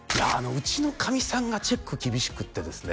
うちのかみさんがチェック厳しくってですね